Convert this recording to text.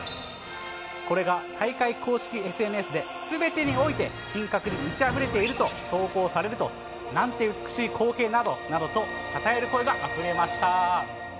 これが大会公式ＳＮＳで、すべてにおいて品格に満ちあふれていると投稿されると、なんて美しい光景なの！などとたたえる声があふれました。